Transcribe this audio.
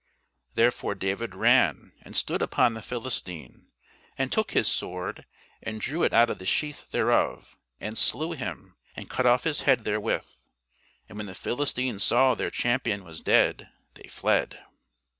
Therefore David ran, and stood upon the Philistine, and took his sword, and drew it out of the sheath thereof, and slew him, and cut off his head therewith. And when the Philistines saw their champion was dead, they fled.